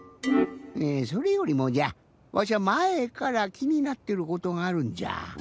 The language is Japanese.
それよりもじゃわしゃまえから気になってることがあるんじゃ。